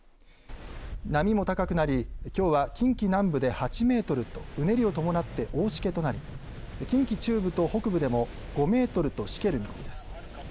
波も高くなりきょうは近畿南部で８メートルとうねりを伴って大しけとなり近畿中部と北部でも５メートルとしける見込みです。